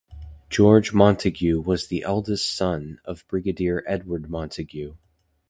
George Montagu was the eldest son of Brigadier Edward Montagu.